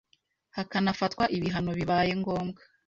hakanafatwa ibihano bibaye ngombwa.